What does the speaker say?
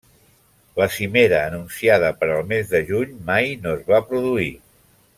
La cimera anunciada per al mes de juny mai no es va produir.